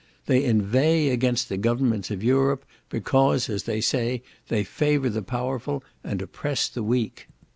They inveigh against the governments of Europe, because, as they say, they favour the powerful and oppress the weak.